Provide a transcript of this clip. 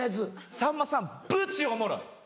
さんまさんぶちおもろい！